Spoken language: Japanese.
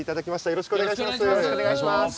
よろしくお願いします。